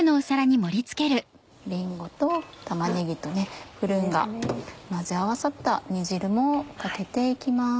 りんごと玉ねぎとプルーンが混ぜ合わさった煮汁もかけて行きます。